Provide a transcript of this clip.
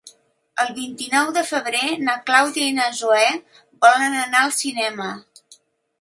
El vint-i-nou de febrer na Clàudia i na Zoè volen anar al cinema.